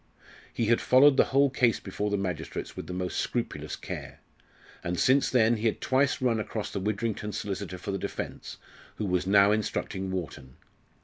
He had followed the whole case before the magistrates with the most scrupulous care. And since then, he had twice run across the Widrington solicitor for the defence, who was now instructing Wharton.